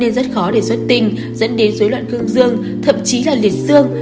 nên rất khó để xuất tình dẫn đến rối loạn cương dương thậm chí là liệt dương